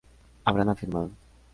habrán afirmado